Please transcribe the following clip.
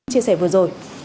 chia sẻ vừa rồi